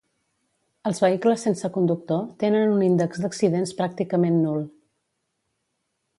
Els vehicles sense conductor tenen un índex d'accidents pràcticament nul.